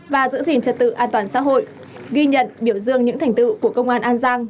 và giữ gìn trật tự an toàn xã hội ghi nhận biểu dương những thành tựu của công an an giang